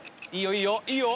［いいよいいよ］